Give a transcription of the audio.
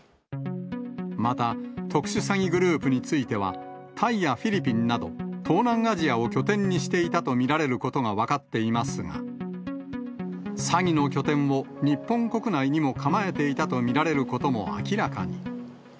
また特殊詐欺グループについては、タイやフィリピンなど、東南アジアを拠点にしていたと見られることが分かっていますが、詐欺の拠点を日本国内にも構えていたと見られることも明らかに。